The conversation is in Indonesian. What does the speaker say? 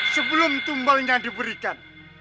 sebelum tumbalnya diberikan